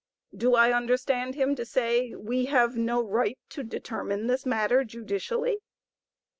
Do I understand him to say we have no right to determine this matter judicially?